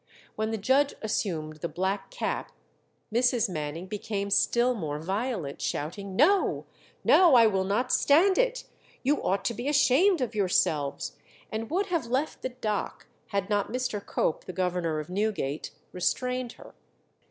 When the judge assumed the black cap Mrs. Manning became still more violent, shouting, "No, no, I will not stand it! You ought to be ashamed of yourselves!" and would have left the dock had not Mr. Cope, the governor of Newgate, restrained her.